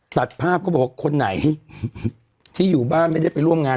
ตัดภาพก็บอกว่าคนไหนที่อยู่บ้านไม่ได้ไปร่วมงาน